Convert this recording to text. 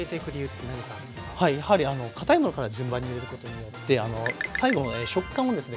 はいやはり堅いものから順番に入れることによって最後食感をですね